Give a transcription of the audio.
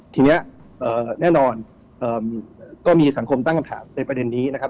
ทีนี้แน่นอนก็มีสังคมตั้งคำถามในประเด็นนี้นะครับ